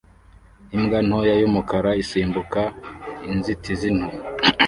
Imbwa ntoya yumukara isimbuka inzitizi nto